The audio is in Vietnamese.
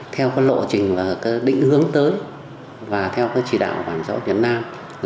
theo lộ trình định hướng tới và theo chỉ đạo bảo hiểm xã hội việt nam